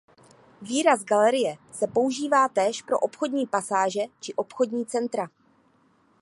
Výraz galerie se používá též pro obchodní pasáže či obchodní centra.